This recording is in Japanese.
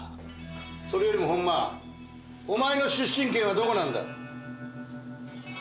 それよりも本間お前の出身県はどこなんだ！？